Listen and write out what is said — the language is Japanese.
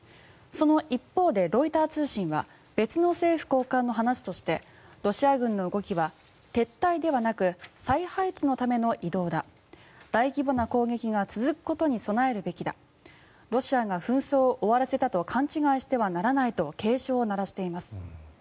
その一方でロイター通信は別の政府高官の話としてロシア軍の動きは撤退ではなく再配置のための移動だ大規模な攻撃が続くことに備えるべきだロシアが紛争を終わらせたと勘違いしてはならないと警鐘を鳴らしています。